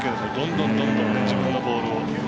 どんどん自分のボールを。